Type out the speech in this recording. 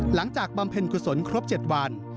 หลังจากบำเพ็ญกุศลครบ๗วัน